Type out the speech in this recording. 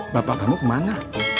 bapak kamu kemana